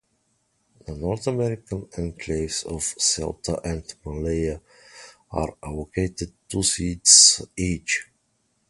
The North African enclaves of Ceuta and Melilla are allocated two seats each.